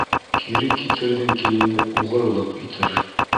Кире китерҙең килене уғрылыҡ итер.